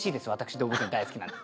動物園大好きなので。